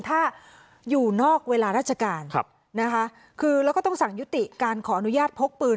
ถ้าอยู่นอกเวลาราชการนะคะคือแล้วก็ต้องสั่งยุติการขออนุญาตพกปืน